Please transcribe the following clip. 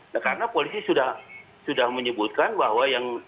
nah karena polisi sudah menyebutkan bahwa yang